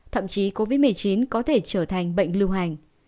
thậm chí covid một mươi chín có thể trở thành bệnh lưu hành